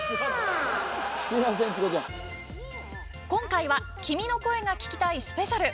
今回は「君の声が聴きたいスペシャル」。